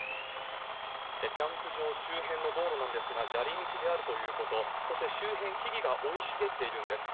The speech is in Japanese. キャンプ場周辺の道路なんですが、砂利道であるということ、そして周辺、木々が生い茂っているんです。